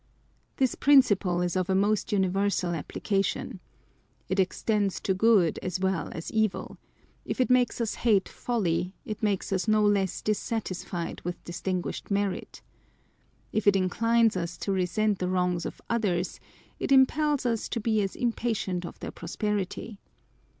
This principle is of a most universal application. It extends to good as well as evil i if it makes us hate folly, it makes us no less dissatisfied with distinguished merit. If it inclines us to resent the wrongs of others, it impels us to be as impatient of their prosperity.